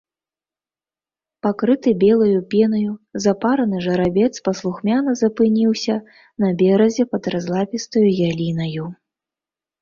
Пакрыты белаю пенаю запараны жарабец паслухмяна запыніўся на беразе пад разлапістаю ялінаю.